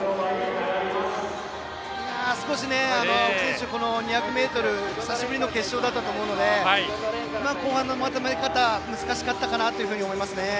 青木選手、２００ｍは久しぶりの決勝だったと思うので後半のまとめ方が難しかったんじゃないかなと思います。